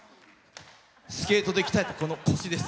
スケートで鍛えた、この腰です。